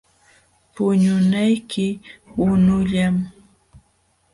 Puñunayki qunullam.